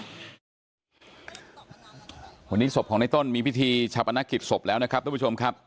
วันนี้ศพของในต้นมีพิธีชาปนกิจศพแล้วนะครับทุกผู้ชมครับ